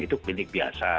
itu klinik biasa